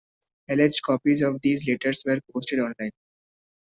Alleged copies of these letters were posted online.